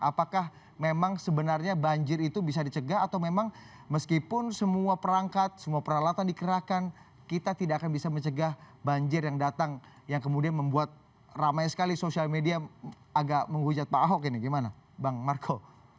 apakah memang sebenarnya banjir itu bisa dicegah atau memang meskipun semua perangkat semua peralatan dikerahkan kita tidak akan bisa mencegah banjir yang datang yang kemudian membuat ramai sekali sosial media agak menghujat pak ahok ini gimana bang marco